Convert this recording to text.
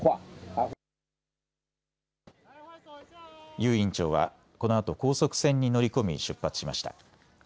游院長はこのあと高速船に乗り込み出発しました。